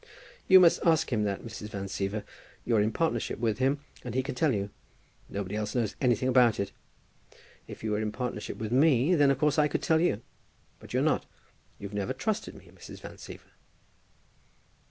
"You must ask him that, Mrs. Van Siever. You're in partnership with him, and he can tell you. Nobody else knows anything about it. If you were in partnership with me, then of course I could tell you. But you're not. You've never trusted me, Mrs. Van Siever."